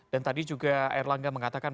dan tadi juga air langga mengatakan